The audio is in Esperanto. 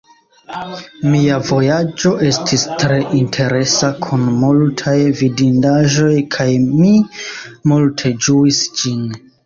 Mia vojaĝo estis tre interesa kun multaj vidindaĵoj, kaj mi multe ĝuis ĝin.